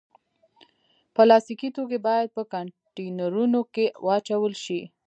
پلاستيکي توکي باید په کانټینرونو کې واچول شي.